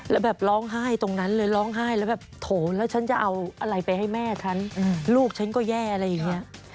แล้วแบบร้องไห้ตรงนั้นเลยร้องไห้แล้วแบบโถแล้วฉันจะเอาอะไรไปให้แม่ฉันลูกฉันก็แย่อะไรอย่างนี้